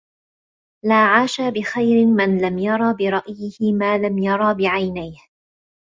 لَا عَاشَ بِخَيْرٍ مَنْ لَمْ يَرَ بِرَأْيِهِ مَا لَمْ يَرَ بِعَيْنَيْهِ